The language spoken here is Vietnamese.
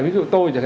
ví dụ tôi